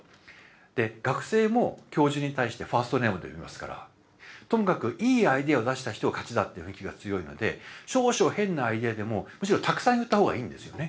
で学生も教授に対してファーストネームで呼びますからともかくいいアイデアを出した人が勝ちだって雰囲気が強いので少々変なアイデアでもむしろたくさん言った方がいいんですよね。